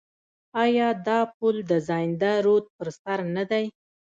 آیا دا پل د زاینده رود پر سر نه دی؟